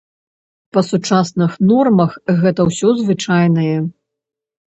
Па сучасных нормах гэта ўсё звычайнае.